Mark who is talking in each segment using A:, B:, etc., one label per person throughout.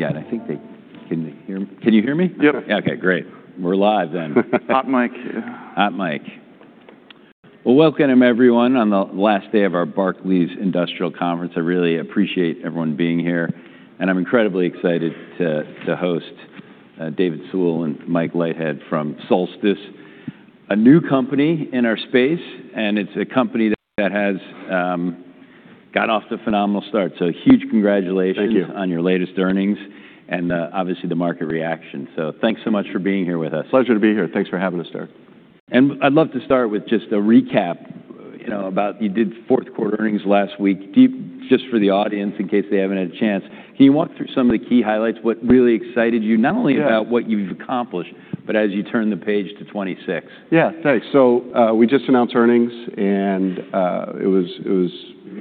A: Hot mic. Well, welcome, everyone, on the last day of our Barclays Industrial Conference. I really appreciate everyone being here, and I'm incredibly excited to, to host David Sewell and Mike Leithead from Solstice, a new company in our space, and it's a company that has got off to a phenomenal start. So huge congratulations-
B: Thank you.
A: -on your latest earnings and, obviously, the market reaction. So thanks so much for being here with us.
B: Pleasure to be here. Thanks for having us, Dirk.
A: I'd love to start with just a recap, you know, about you did fourth quarter earnings last week. Just for the audience, in case they haven't had a chance, can you walk through some of the key highlights, what really excited you, not only-
B: Yeah
A: about what you've accomplished, but as you turn the page to 2026?
B: Yeah, thanks. So, we just announced earnings, and it was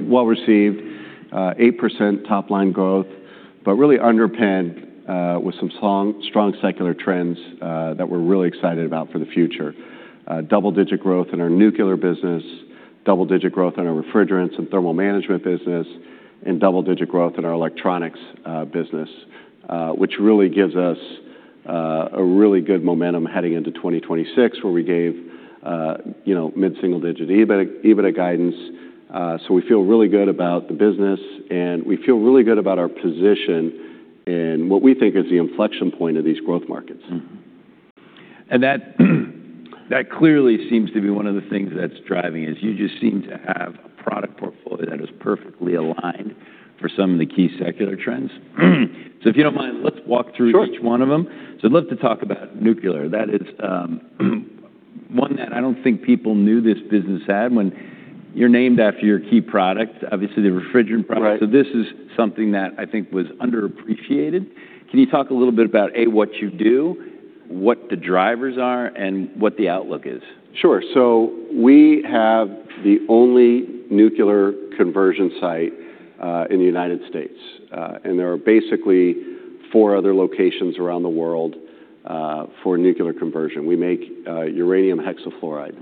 B: well-received, 8% top-line growth, but really underpinned with some strong, strong secular trends that we're really excited about for the future. Double-digit growth in our nuclear business, double-digit growth in our refrigerants and thermal management business, and double-digit growth in our electronics business, which really gives us a really good momentum heading into 2026, where we gave, you know, mid-single-digit EBITDA guidance. So we feel really good about the business, and we feel really good about our position in what we think is the inflection point of these growth markets.
A: Mm-hmm. And that, that clearly seems to be one of the things that's driving is you just seem to have a product portfolio that is perfectly aligned for some of the key secular trends. So if you don't mind, let's walk through-
B: Sure
A: each one of them. So I'd love to talk about nuclear. That is, one that I don't think people knew this business had when you're named after your key product, obviously, the refrigerant product.
B: Right.
A: This is something that I think was underappreciated. Can you talk a little bit about, A, what you do, what the drivers are, and what the outlook is?
B: Sure. So we have the only nuclear conversion site in the United States, and there are basically 4 other locations around the world for nuclear conversion. We make uranium hexafluoride,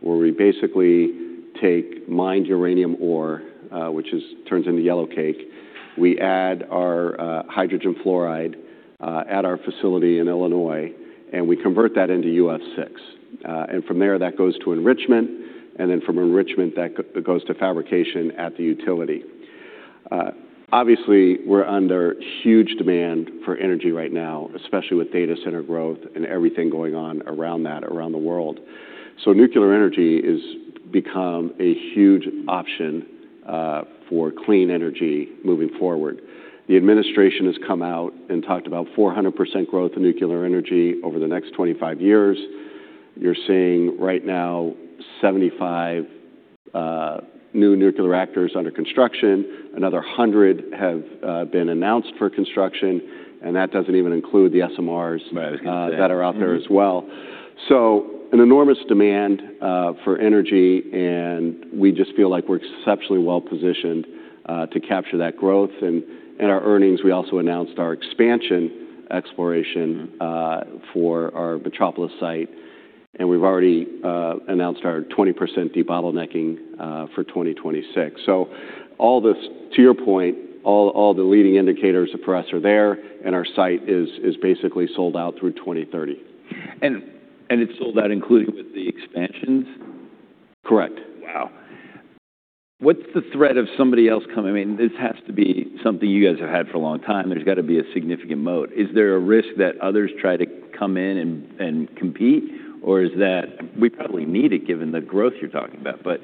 B: where we basically take mined uranium ore, which turns into Yellowcake. We add our hydrogen fluoride at our facility in Illinois, and we convert that into UF6. And from there, that goes to enrichment, and then from enrichment, it goes to fabrication at the utility. Obviously, we're under huge demand for energy right now, especially with data center growth and everything going on around that around the world. So nuclear energy is become a huge option for clean energy moving forward. The administration has come out and talked about 400% growth in nuclear energy over the next 25 years. You're seeing right now 75 new nuclear reactors under construction. Another 100 have been announced for construction, and that doesn't even include the SMRs-
A: I was gonna say.
B: that are out there as well.
A: Mm-hmm.
B: So an enormous demand for energy, and we just feel like we're exceptionally well-positioned to capture that growth. And, in our earnings, we also announced our expansion exploration-
A: Mm-hmm
B: for our Metropolis site, and we've already announced our 20% debottlenecking for 2026. So all this, to your point, all the leading indicators for us are there, and our site is basically sold out through 2030.
A: And it's sold out, including with the expansions?
B: Correct.
A: Wow! What's the threat of somebody else coming in? This has to be something you guys have had for a long time. There's got to be a significant moat. Is there a risk that others try to come in and compete, or is that. We probably need it, given the growth you're talking about, but-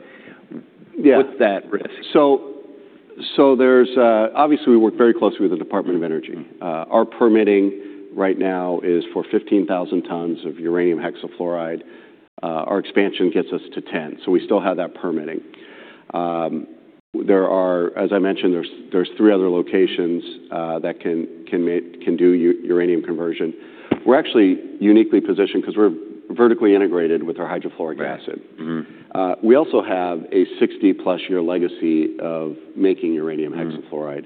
B: Yeah
A: what's that risk?
B: Obviously, we work very closely with the Department of Energy. Our permitting right now is for 15,000 tons of uranium hexafluoride. Our expansion gets us to 10, so we still have that permitting. There are, as I mentioned, three other locations that can do uranium conversion. We're actually uniquely positioned 'cause we're vertically integrated with our hydrofluoric acid.
A: Right. Mm-hmm.
B: We also have a 60-plus year legacy of making uranium hexafluoride-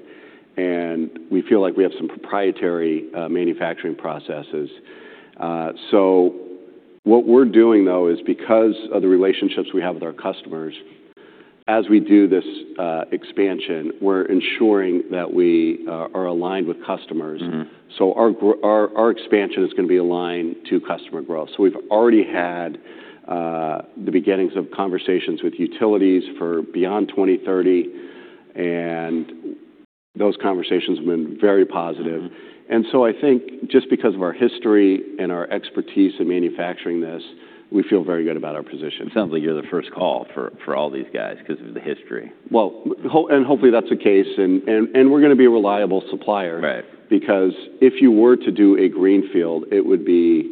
A: Mm
B: and we feel like we have some proprietary manufacturing processes. So what we're doing, though, is because of the relationships we have with our customers, as we do this expansion, we're ensuring that we are aligned with customers.
A: Mm-hmm.
B: So our expansion is gonna be aligned to customer growth. So we've already had the beginnings of conversations with utilities for beyond 2030, and those conversations have been very positive.
A: Mm-hmm.
B: And so I think just because of our history and our expertise in manufacturing this, we feel very good about our position.
A: It sounds like you're the first call for all these guys 'cause of the history.
B: Well, hopefully that's the case, and we're gonna be a reliable supplier.
A: Right
B: because if you were to do a greenfield, it would be,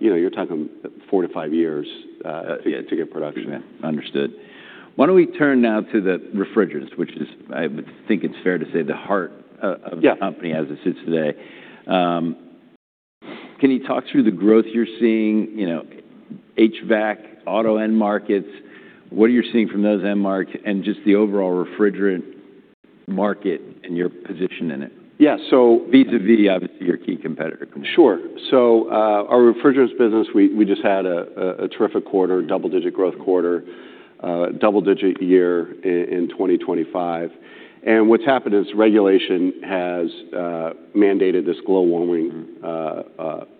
B: you know, you're talking 4-5 years,
A: Yeah
B: to get production.
A: Yeah, understood. Why don't we turn now to the refrigerants, which is, I would think it's fair to say, the heart of-
B: Yeah
A: the company as it sits today. Can you talk through the growth you're seeing, you know, HVAC, auto end markets? What are you seeing from those end markets and just the overall refrigerant market and your position in it?
B: Yeah, so-
A: V to V, obviously, your key competitor.
B: Sure. So, our refrigerants business, we just had a terrific quarter, double-digit growth quarter. Double-digit year in 2025. And what's happened is regulation has mandated this global warming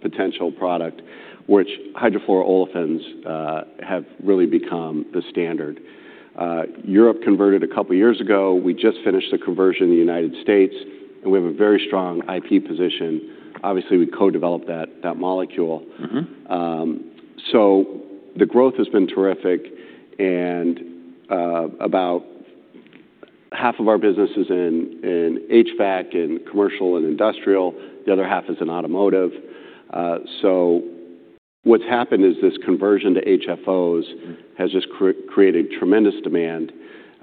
B: potential product, which hydrofluoroolefins have really become the standard. Europe converted a couple of years ago. We just finished the conversion in the United States, and we have a very strong IP position. Obviously, we co-developed that molecule.
A: Mm-hmm.
B: So the growth has been terrific, and about half of our business is in HVAC in commercial and industrial. The other half is in automotive. So what's happened is this conversion to HFOs.
A: Mm
B: has just created tremendous demand,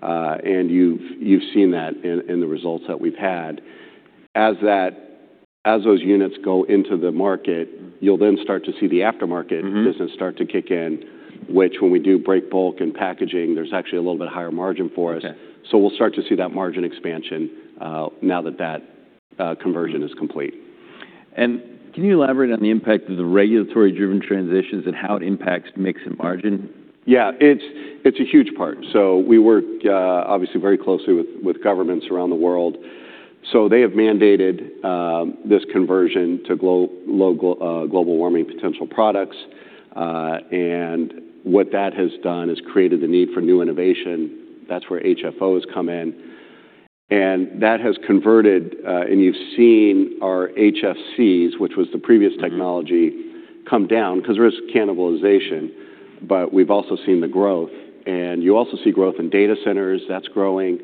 B: and you've seen that in the results that we've had. As those units go into the market, you'll then start to see the aftermarket-
A: Mm-hmm
B: business start to kick in, which when we do break bulk and packaging, there's actually a little bit higher margin for us.
A: Okay.
B: So we'll start to see that margin expansion, now that that conversion is complete.
A: Can you elaborate on the impact of the regulatory-driven transitions and how it impacts mix and margin?
B: Yeah, it's a huge part. So we work, obviously, very closely with governments around the world, so they have mandated this conversion to global warming potential products. And what that has done is created the need for new innovation. That's where HFOs come in. And that has converted, and you've seen our HFCs, which was the previous technology-
A: Mm-hmm
B: come down because there is cannibalization, but we've also seen the growth, and you also see growth in data centers. That's growing.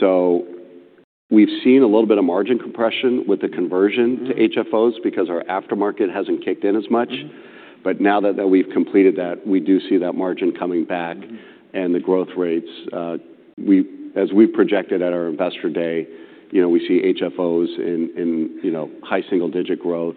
B: So we've seen a little bit of margin compression with the conversion-
A: Mm-hmm
B: to HFOs because our aftermarket hasn't kicked in as much.
A: Mm-hmm.
B: But now that we've completed that, we do see that margin coming back.
A: Mm-hmm
B: and the growth rates, as we projected at our Investor Day, you know, we see HFOs in, you know, high single-digit growth,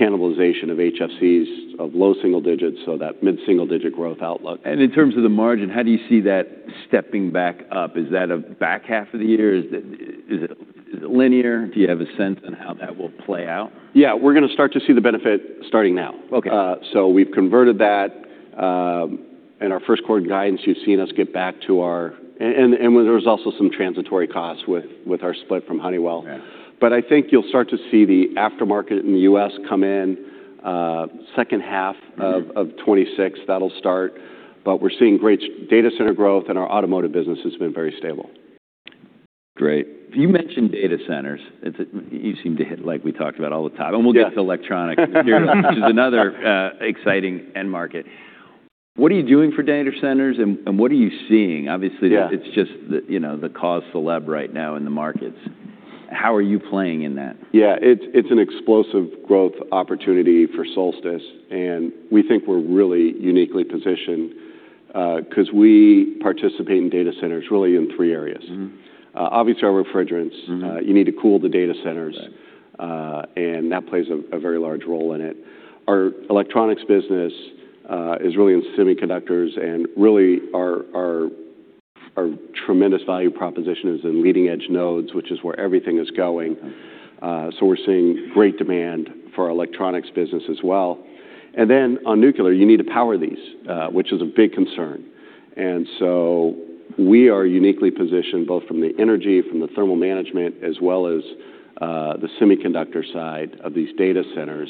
B: cannibalization of HFCs of low single digits, so that mid-single-digit growth outlook.
A: In terms of the margin, how do you see that stepping back up? Is that a back half of the year? Is it linear? Do you have a sense on how that will play out?
B: Yeah. We're gonna start to see the benefit starting now.
A: Okay.
B: So we've converted that, and our first quarter guidance, you've seen us get back to our. And there was also some transitory costs with our split from Honeywell.
A: Yeah.
B: I think you'll start to see the aftermarket in the U.S. come in, second half-
A: Mm
B: of 2026, that'll start, but we're seeing great data center growth, and our automotive business has been very stable.
A: Great. You mentioned data centers. It's, you seem to hit like we talked about all the time-
B: Yeah.
A: and we'll get to electronics here, which is another, exciting end market. What are you doing for data centers, and, and what are you seeing?
B: Yeah.
A: Obviously, it's just the, you know, the cause célèbre right now in the markets. How are you playing in that?
B: Yeah, it's, it's an explosive growth opportunity for Solstice, and we think we're really uniquely positioned, 'cause we participate in data centers really in three areas.
A: Mm-hmm.
B: Obviously, our refrigerants.
A: Mm-hmm.
B: You need to cool the data centers-
A: Right
B: and that plays a very large role in it. Our electronics business is really in semiconductors, and really our tremendous value proposition is in leading-edge nodes, which is where everything is going.
A: Right.
B: So we're seeing great demand for our electronics business as well. And then on nuclear, you need to power these, which is a big concern. And so we are uniquely positioned, both from the energy, from the thermal management, as well as the semiconductor side of these data centers.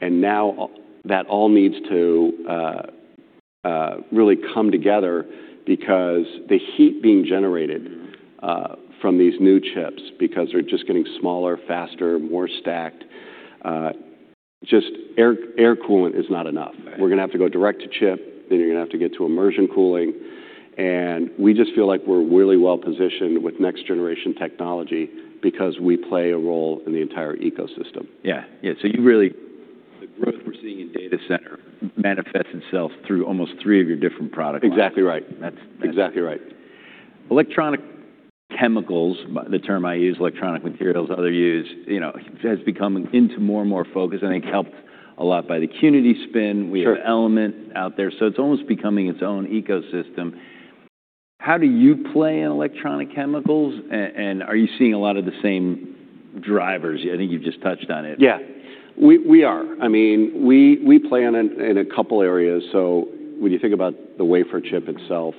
B: And now, that all needs to really come together because the heat being generated-
A: Mm-hmm
B: from these new chips because they're just getting smaller, faster, more stacked. Just air, air coolant is not enough.
A: Right.
B: We're gonna have to go direct to chip, then you're gonna have to get to immersion cooling, and we just feel like we're really well positioned with next-generation technology because we play a role in the entire ecosystem.
A: Yeah. Yeah, so you really-
B: Mm-hmm
A: the growth we're seeing in data center manifests itself through almost three of your different product lines.
B: Exactly right.
A: That's-
B: Exactly right.
A: Electronic chemicals, the term I use, electronic materials, others use, you know, has come into more and more focus, and I think helped a lot by the Acuity spin.
B: Sure.
A: We have Element out there, so it's almost becoming its own ecosystem. How do you play in electronic chemicals, and are you seeing a lot of the same drivers? I think you've just touched on it.
B: Yeah. We are. I mean, we play in a couple areas, so when you think about the wafer chip itself,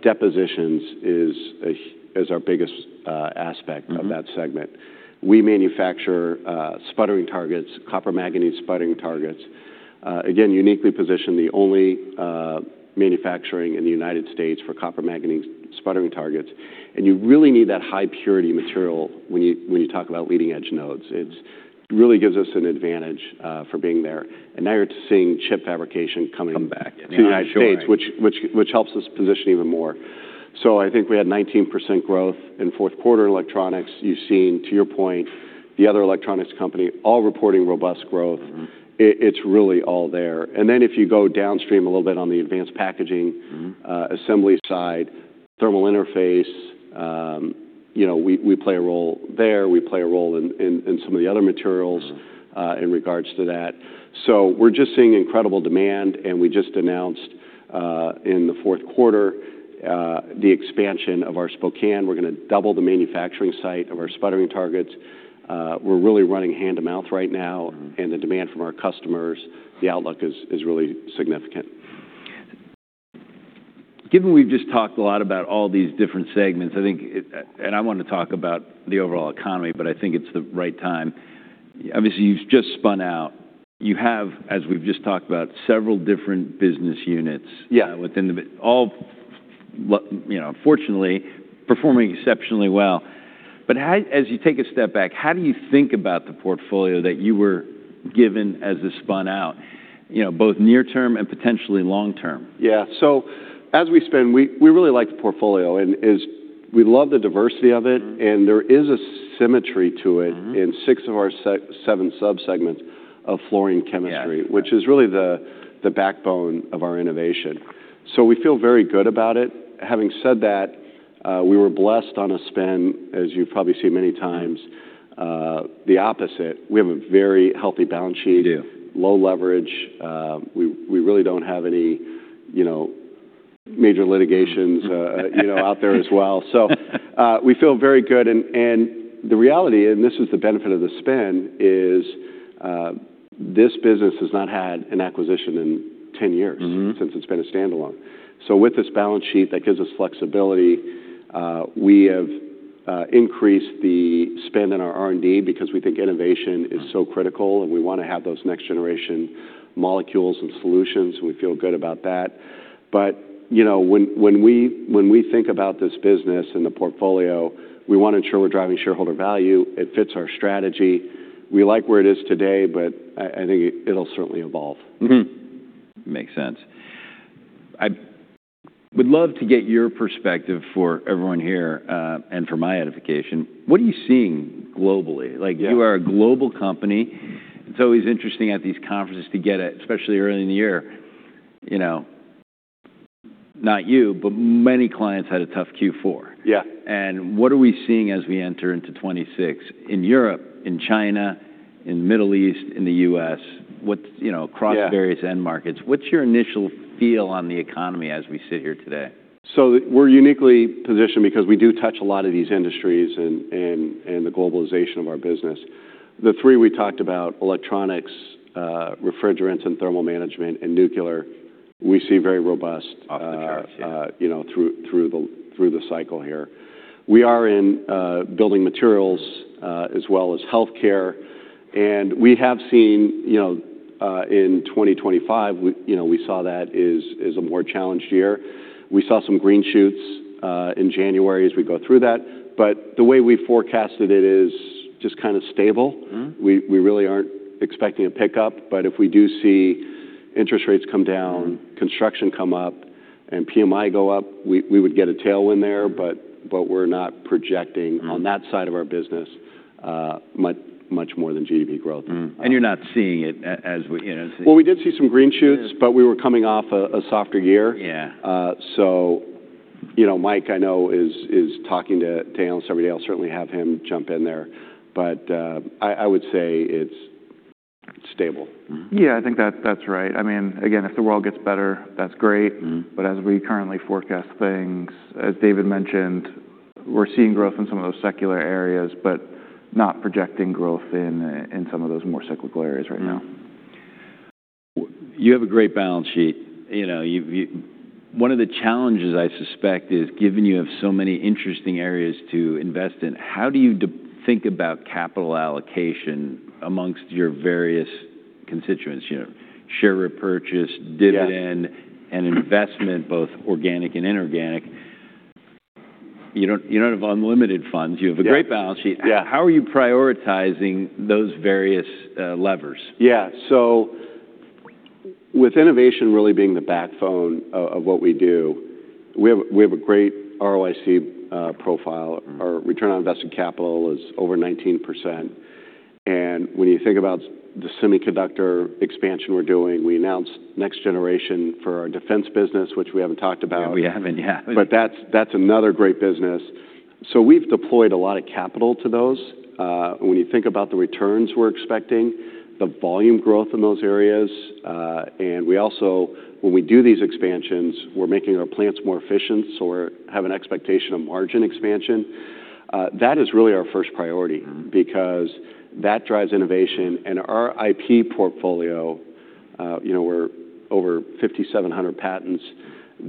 B: depositions is our biggest aspect-
A: Mm-hmm
B: of that segment. We manufacture sputtering targets, copper-manganese sputtering targets. Again, uniquely positioned, the only manufacturing in the United States for copper-manganese sputtering targets, and you really need that high-purity material when you talk about leading-edge nodes. It's really gives us an advantage for being there, and now you're seeing chip fabrication coming-
A: Come back. Yeah, sure.
B: to the United States, which helps us position even more. So I think we had 19% growth in fourth quarter electronics. You've seen, to your point, the other electronics company all reporting robust growth.
A: Mm-hmm.
B: It's really all there. And then if you go downstream a little bit on the advanced packaging-
A: Mm-hmm
B: assembly side, thermal interface, you know, we play a role there. We play a role in some of the other materials-
A: Mm-hmm
B: in regards to that. So we're just seeing incredible demand, and we just announced, in the fourth quarter. the expansion of our Spokane. We're gonna double the manufacturing site of our sputtering targets. We're really running hand-to-mouth right now, and the demand from our customers, the outlook is really significant.
A: Given we've just talked a lot about all these different segments, I think it, and I wanna talk about the overall economy, but I think it's the right time. Obviously, you've just spun out. You have, as we've just talked about, several different business units.
B: Yeah
A: Within the business, all well, you know, fortunately performing exceptionally well. But how, as you take a step back, how do you think about the portfolio that you were given as a spun out, you know, both near term and potentially long term?
B: Yeah. So as we spin, we really like the portfolio, and we love the diversity of it.
A: Mm-hmm.
B: There is a symmetry to it-
A: Mm-hmm
B: in six of our seven sub-segments of fluorine chemistry-
A: Yeah
B: - which is really the backbone of our innovation. So we feel very good about it. Having said that, we were blessed on a spin, as you've probably seen many times, the opposite. We have a very healthy balance sheet.
A: You do.
B: Low leverage. We really don't have any, you know, major litigations, you know, out there as well. So, we feel very good, and the reality, and this is the benefit of the spin, is this business has not had an acquisition in 10 years.
A: Mm-hmm
B: Since it's been a standalone. So with this balance sheet, that gives us flexibility. We have increased the spend in our R&D because we think innovation is so critical, and we wanna have those next-generation molecules and solutions, and we feel good about that. But, you know, when we think about this business and the portfolio, we wanna ensure we're driving shareholder value. It fits our strategy. We like where it is today, but I think it, it'll certainly evolve.
A: Mm-hmm. Makes sense. I would love to get your perspective for everyone here, and for my edification, what are you seeing globally?
B: Yeah.
A: Like, you are a global company. It's always interesting at these conferences to get a especially early in the year, you know, not you, but many clients had a tough Q4.
B: Yeah.
A: What are we seeing as we enter into 2026 in Europe, in China, in the Middle East, in the U.S., what you know-
B: Yeah
A: Across various end markets, what's your initial feel on the economy as we sit here today?
B: So we're uniquely positioned because we do touch a lot of these industries and the globalization of our business. The three we talked about, electronics, refrigerants, and thermal management and nuclear, we see very robust-
A: Off the charts, yeah.
B: you know, through the cycle here. We are in building materials as well as healthcare, and we have seen, you know, in 2025, we, you know, we saw that is a more challenged year. We saw some green shoots in January as we go through that, but the way we forecasted it is just kind of stable.
A: Mm-hmm.
B: We really aren't expecting a pickup, but if we do see interest rates come down-
A: Mm-hmm
B: construction come up and PMI go up, we, we would get a tailwind there, but, but we're not projecting-
A: Mm-hmm
B: on that side of our business, much, much more than GDP growth.
A: Mm-hmm. And you're not seeing it as we. You know, say-
B: Well, we did see some green shoots-
A: Good
B: but we were coming off a softer year.
A: Yeah.
B: So, you know, Mike, I know is talking to Dale and somebody else. I'll certainly have him jump in there, but I would say it's stable.
A: Mm-hmm.
C: Yeah, I think that, that's right. I mean, again, if the world gets better, that's great.
A: Mm-hmm.
C: But as we currently forecast things, as David mentioned, we're seeing growth in some of those secular areas, but not projecting growth in some of those more cyclical areas right now.
A: You have a great balance sheet. You know, one of the challenges I suspect is, given you have so many interesting areas to invest in, how do you think about capital allocation among your various constituents? You know, share repurchase-
B: Yeah
A: dividend and investment, both organic and inorganic. You don't, you don't have unlimited funds.
B: Yeah.
A: You have a great balance sheet.
B: Yeah.
A: How are you prioritizing those various levers?
B: Yeah. So with innovation really being the backbone of what we do, we have, we have a great ROIC profile.
A: Mm.
B: Our return on invested capital is over 19%, and when you think about the semiconductor expansion we're doing, we announced next generation for our defense business, which we haven't talked about.
A: No, we haven't yet.
B: That's another great business. We've deployed a lot of capital to those. When you think about the returns we're expecting, the volume growth in those areas, and we also-- when we do these expansions, we're making our plants more efficient, so we have an expectation of margin expansion. That is really our first priority-
A: Mm-hmm
B: - because that drives innovation. And our IP portfolio, you know, we're over 5,700 patents.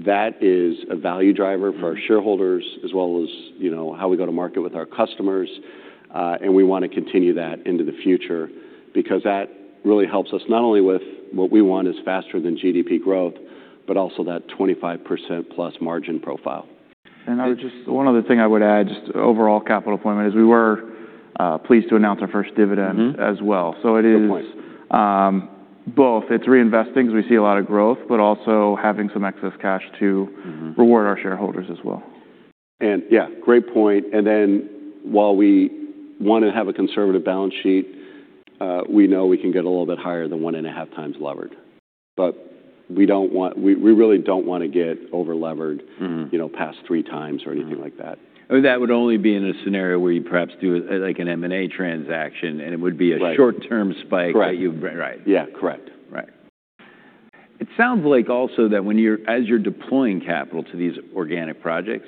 B: That is a value driver-
A: Mm-hmm
B: - for our shareholders, as well as, you know, how we go to market with our customers. And we wanna continue that into the future because that really helps us, not only with what we want is faster than GDP growth, but also that 25% plus margin profile.
C: I would just-
A: Yeah.
C: One other thing I would add, just overall capital deployment, is we were pleased to announce our first dividend-
B: Mm-hmm
C: as well.
B: Good point.
C: So it is, both. It's reinvesting, because we see a lot of growth, but also having some excess cash to-
B: Mm-hmm
C: - reward our shareholders as well.
B: Yeah, great point. While we want to have a conservative balance sheet, we know we can get a little bit higher than 1.5x levered. We really don't wanna get over-levered.
A: Mm-hmm
B: you know, past three times or anything like that.
A: I mean, that would only be in a scenario where you perhaps do, like, an M&A transaction, and it would be a-
B: Right
A: - short-term spike-
B: Right
A: that you've. Right.
B: Yeah, correct.
A: Right. It sounds like also that when you're—as you're deploying capital to these organic projects,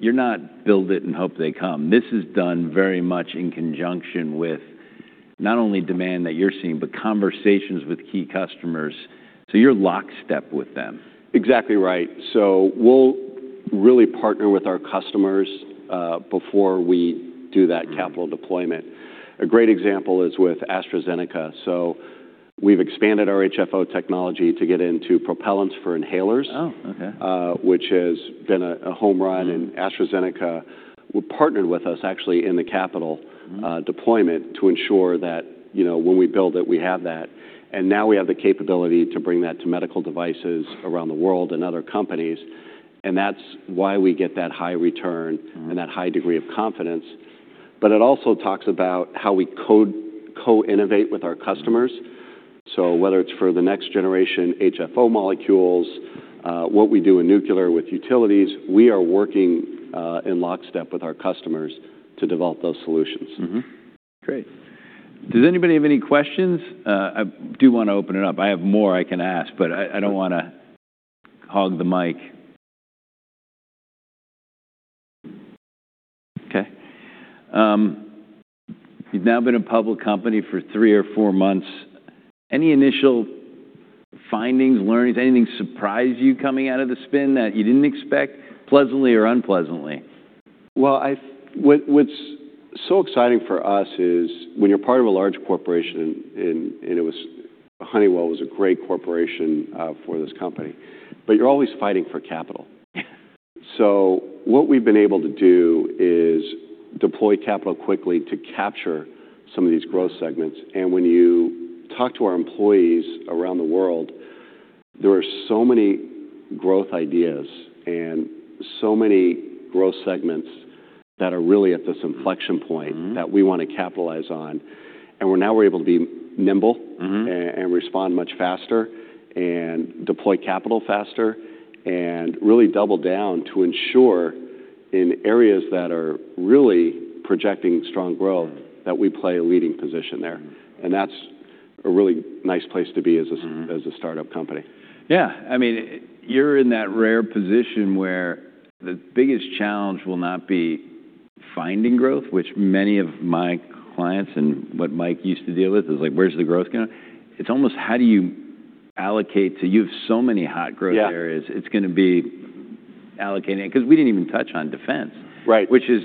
A: you're not build it and hope they come. This is done very much in conjunction with not only demand that you're seeing, but conversations with key customers, so you're lockstep with them.
B: Exactly right. So we'll really partner with our customers, before we do that capital deployment. A great example is with AstraZeneca. So we've expanded our HFO technology to get into propellants for inhalers-
A: Oh, okay.
B: which has been a home run.
A: Mm.
B: AstraZeneca partnered with us actually in the capital-
A: Mm-hmm
B: deployment to ensure that, you know, when we build it, we have that. And now we have the capability to bring that to medical devices around the world and other companies, and that's why we get that high return-
A: Mm
B: and that high degree of confidence. But it also talks about how we co-innovate with our customers.
A: Mm.
B: So whether it's for the next generation HFO molecules, what we do in nuclear with utilities, we are working in lockstep with our customers to develop those solutions.
A: Mm-hmm. Great. Does anybody have any questions? I do wanna open it up. I have more I can ask, but I don't wanna hog the mic. Okay. You've now been a public company for three or four months. Any initial findings, learnings? Anything surprise you coming out of the spin that you didn't expect, pleasantly or unpleasantly?
B: Well, what's so exciting for us is when you're part of a large corporation, and Honeywell was a great corporation for this company, but you're always fighting for capital.
A: Yeah.
B: What we've been able to do is deploy capital quickly to capture some of these growth segments. When you talk to our employees around the world, there are so many growth ideas and so many growth segments that are really at this inflection point-
A: Mm
B: that we wanna capitalize on. And we're now able to be nimble-
A: Mm-hmm
B: and respond much faster and deploy capital faster, and really double down to ensure in areas that are really projecting strong growth-
A: Mm
B: that we play a leading position there.
A: Mm.
B: That's a really nice place to be as a-
A: Mm
B: as a startup company.
A: Yeah. I mean, you're in that rare position where the biggest challenge will not be finding growth, which many of my clients and what Mike used to deal with, is like: Where's the growth going? It's almost how do you allocate to You have so many hot growth areas-
B: Yeah
A: it's gonna be allocating. 'Cause we didn't even touch on defense-
B: Right
A: .which is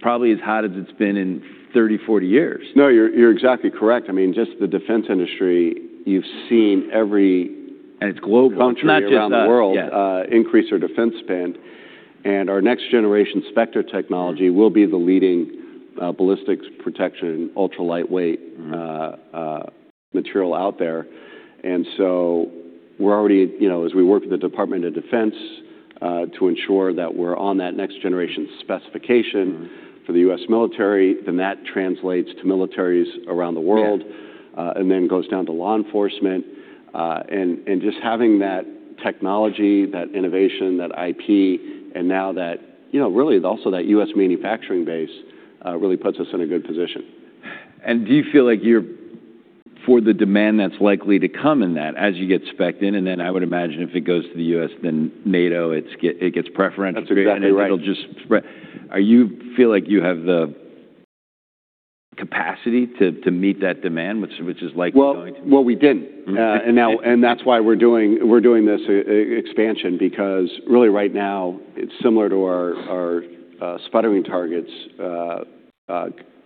A: probably as hot as it's been in 30, 40 years.
B: No, you're, you're exactly correct. I mean, just the defense industry, you've seen every-
A: It's global.
B: country around the world-
A: It's not just us, yeah.
B: increase their defense spend. And our next generation Spectra technology will be the leading, ballistics protection, ultra-lightweight-
A: Mm
B: material out there. And so we're already, you know, as we work with the Department of Defense, to ensure that we're on that next generation specification-
A: Mm
B: for the U.S. military, then that translates to militaries around the world-
A: Yeah
B: and then goes down to law enforcement. And just having that technology, that innovation, that IP, and now that, you know, really also that U.S. manufacturing base, really puts us in a good position.
A: Do you feel like you're for the demand that's likely to come in that, as you get spec'd in, and then I would imagine if it goes to the U.S., then NATO, it gets preferential-
B: That's exactly right.
A: It'll just spread. Are you—feel like you have the capacity to, to meet that demand, which is likely going to be?
B: Well, we didn't. And now, that's why we're doing this expansion, because really right now, it's similar to our sputtering targets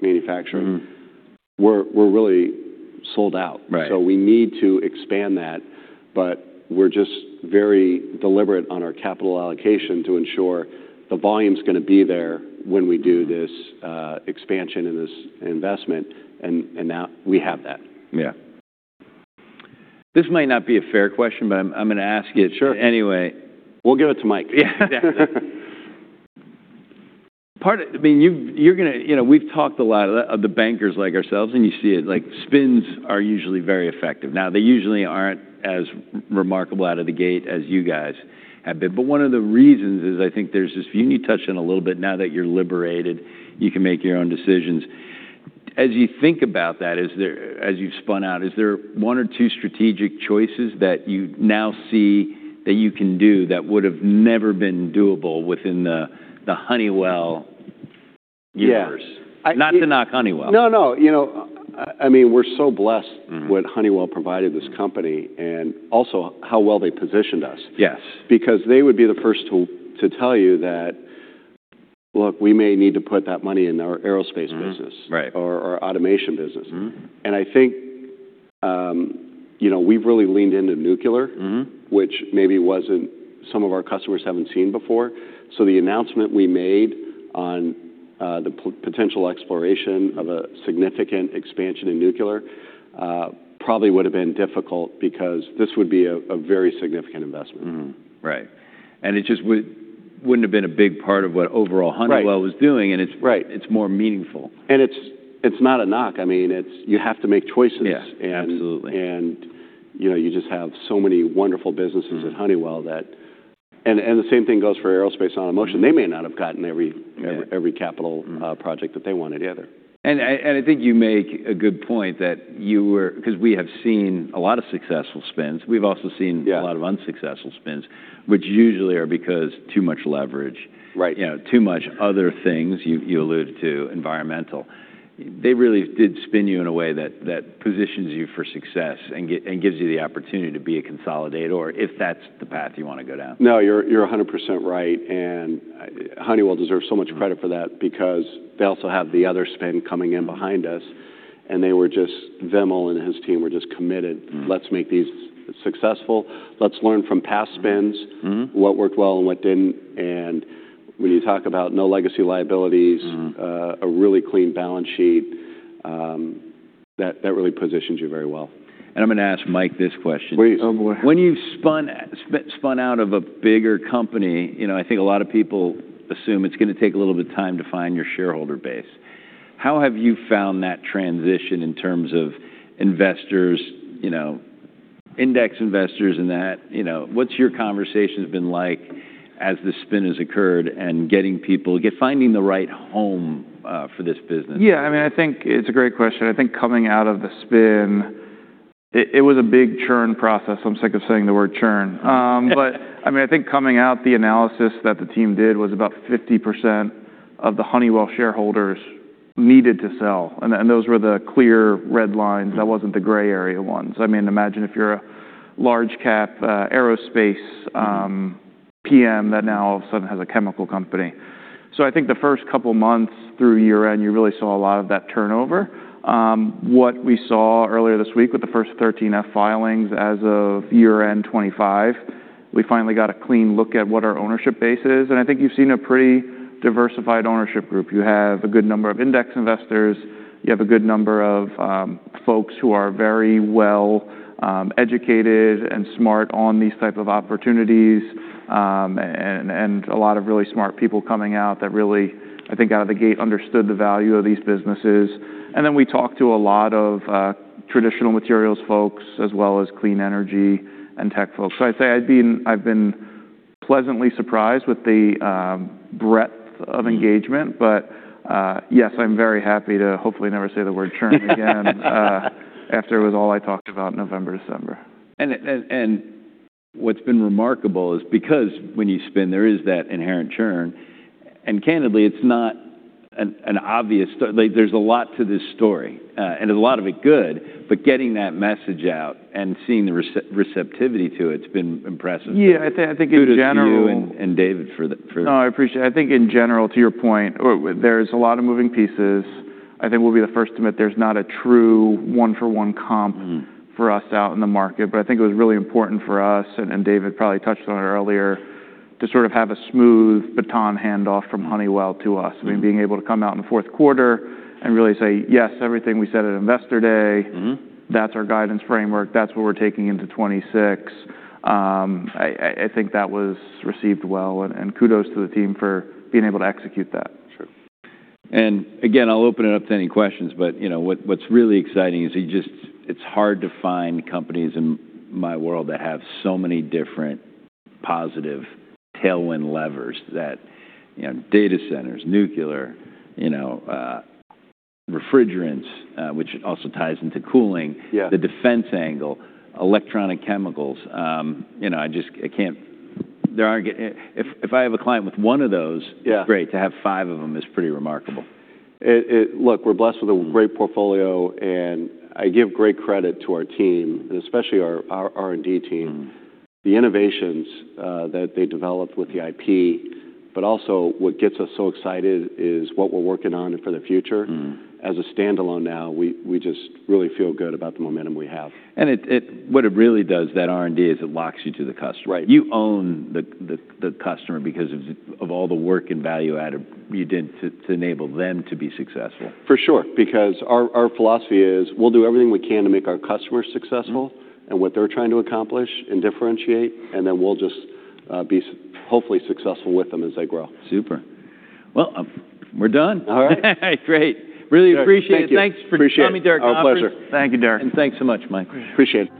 B: manufacturing.
A: Mm.
B: We're really sold out.
A: Right.
B: So we need to expand that, but we're just very deliberate on our capital allocation to ensure the volume's gonna be there when we do this expansion and this investment, and, and now we have that.
A: Yeah. This might not be a fair question, but I'm gonna ask it-
B: Sure
A: anyway.
B: We'll give it to Mike.
A: Yeah, exactly. I mean, you've – you're gonna. You know, we've talked a lot, the bankers like ourselves, and you see it, like, spins are usually very effective. Now, they usually aren't as remarkable out of the gate as you guys have been. But one of the reasons is I think there's this. You touched on a little bit, now that you're liberated, you can make your own decisions. As you think about that, as you've spun out, is there one or two strategic choices that you now see that you can do that would've never been doable within the Honeywell years?
B: Yeah. I-
A: Not to knock Honeywell.
B: No, no. You know, I mean, we're so blessed-
A: Mm
B: with Honeywell provided this company, and also how well they positioned us.
A: Yes.
B: Because they would be the first to tell you that, "Look, we may need to put that money in our aerospace business-
A: Mm-hmm. Right
B: or our automation business.
A: Mm-hmm.
B: I think, you know, we've really leaned into nuclear-
A: Mm-hmm
B: which maybe wasn't, some of our customers haven't seen before. So the announcement we made on the potential exploration of a significant expansion in nuclear, probably would've been difficult because this would be a very significant investment.
A: Mm-hmm. Right. And it just wouldn't have been a big part of what overall Honeywell-
B: Right
A: was doing, and it's-
B: Right
A: it's more meaningful.
B: It's not a knock. I mean, you have to make choices.
A: Yeah, absolutely.
B: And you know, you just have so many wonderful businesses at Honeywell that. And the same thing goes for aerospace and automation. They may not have gotten every-
A: Yeah
B: - every capital project that they wanted, either.
A: Yeah. I think you make a good point, that you were—'cause we have seen a lot of successful spins. We've also seen-
B: Yeah
A: A lot of unsuccessful spins, which usually are because too much leverage.
B: Right.
A: You know, too much other things, you alluded to environmental. They really did spin you in a way that positions you for success, and gives you the opportunity to be a consolidator, if that's the path you wanna go down.
B: No, you're, you're 100% right, and Honeywell deserves so much credit for that because they also have the other spin coming in behind us, and they were just Vimal and his team were just committed.
A: Mm.
B: Let's make these successful. Let's learn from past spins-
A: Mm-hmm
B: - what worked well and what didn't," and when you talk about no legacy liabilities-
A: Mm
B: a really clean balance sheet, that really positions you very well.
A: I'm gonna ask Mike this question.
C: Wait. Oh, boy.
A: When you've spun out of a bigger company, you know, I think a lot of people assume it's gonna take a little bit of time to find your shareholder base. How have you found that transition in terms of investors, you know, index investors and that? You know, what's your conversations been like as the spin has occurred and getting people, finding the right home for this business?
C: Yeah, I mean, I think it's a great question. I think coming out of the spin, it was a big churn process. I'm sick of saying the word churn. But I mean, I think coming out, the analysis that the team did was about 50% of the Honeywell shareholders needed to sell, and those were the clear red lines.
A: Mm.
C: That wasn't the gray area ones. I mean, imagine if you're a large cap, aerospace, PM, that now all of a sudden has a chemical company. So I think the first couple months through year-end, you really saw a lot of that turnover. What we saw earlier this week with the first 13F filings as of year-end 2025, we finally got a clean look at what our ownership base is, and I think you've seen a pretty diversified ownership group. You have a good number of index investors. You have a good number of, folks who are very well, educated and smart on these type of opportunities, and, and a lot of really smart people coming out that really, I think, out of the gate, understood the value of these businesses. And then we talked to a lot of traditional materials folks, as well as clean energy and tech folks. So I'd say I've been pleasantly surprised with the breadth of engagement.
A: Mm.
C: Yes, I'm very happy to hopefully never say the word churn again, after it was all I talked about November, December.
A: What's been remarkable is because when you spin, there is that inherent churn, and candidly, it's not an obvious story, like, there's a lot to this story, and a lot of it good, but getting that message out and seeing the receptivity to it, it's been impressive.
C: Yeah, I think in general-
A: Kudos to you and David for the
C: No, I appreciate it. I think in general, to your point, there's a lot of moving pieces. I think we'll be the first to admit there's not a true one-for-one comp-
A: Mm
C: for us out in the market, but I think it was really important for us, and, and David probably touched on it earlier, to sort of have a smooth baton handoff from Honeywell to us.
A: Mm.
C: I mean, being able to come out in the fourth quarter and really say, "Yes, everything we said at Investor Day-
A: Mm-hmm
C: that's our guidance framework. That's what we're taking into 2026. I think that was received well, and kudos to the team for being able to execute that.
A: Sure. And again, I'll open it up to any questions, but, you know, what's really exciting is you just—it's hard to find companies in my world that have so many different positive tailwind levers, that, you know, data centers, nuclear, you know, refrigerants, which also ties into cooling—
C: Yeah
A: the defense angle, electronic chemicals. You know, I just can't—there aren't—if I have a client with one of those-
C: Yeah
A: it's great. To have five of them is pretty remarkable.
B: Look, we're blessed with a great portfolio, and I give great credit to our team, and especially our R&D team.
A: Mm.
B: The innovations that they developed with the IP, but also what gets us so excited is what we're working on and for the future.
A: Mm.
B: As a standalone now, we just really feel good about the momentum we have.
A: What it really does, that R&D, is it locks you to the customer.
B: Right.
A: You own the customer because of all the work and value add you did to enable them to be successful.
B: For sure, because our philosophy is, we'll do everything we can to make our customers successful-
A: Mm
B: and what they're trying to accomplish and differentiate, and then we'll just be hopefully successful with them as they grow.
A: Super. Well, we're done.
C: All right.
A: Great.
C: Sure.
A: Really appreciate it.
C: Thank you.
B: Thanks for joining me, Derek.
C: Appreciate it. Our pleasure.
B: Thank you, Derek.
A: Thanks so much, Mike.
C: Appreciate it.